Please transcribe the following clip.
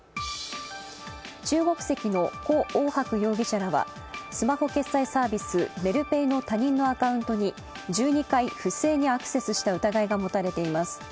中国籍の胡奥博容疑者らはスマホ決済サービス・メルペイの他人のアカウトンに１２回、不正にアクセスした疑いが持たれています。